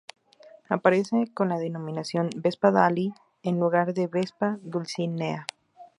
Aparece con la denominación Vespa Dalí, en lugar de Vespa Dulcinea.